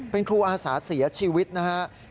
เป็นครูอาสาเสียชีวิตนะครับ